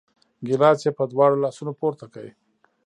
ګیلاس یې په دواړو لاسو پورته کړ!